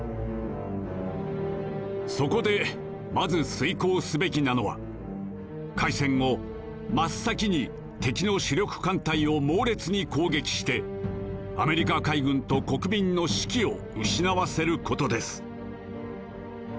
「そこでまず遂行すべきなのは開戦後真っ先に敵の主力艦隊を猛烈に攻撃してアメリカ海軍と国民の志気を失わせることです」。